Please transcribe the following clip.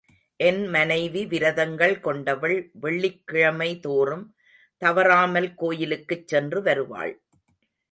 என் மனைவி விரதங்கள் கொண்டவள் வெள்ளிக் கிழமை தோறும் தவறாமல் கோயிலுக்குச் சென்று வருவாள்.